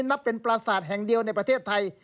นับเป็นปราศาสตร์แห่งเดียวในประเทศไทย